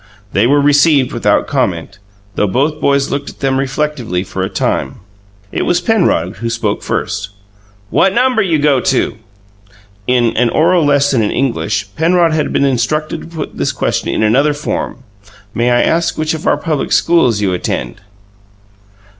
They were received without comment, though both boys looked at them reflectively for a time. It was Penrod who spoke first. "What number you go to?" (In an "oral lesson in English," Penrod had been instructed to put this question in another form: "May I ask which of our public schools you attend?")